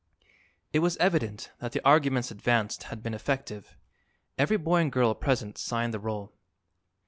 It was evident that the arguments advanced had been effective. Every boy and girl present signed the roll.